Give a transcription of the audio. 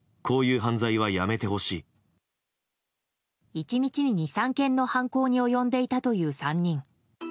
１日に２３件の犯行に及んでいたという３人。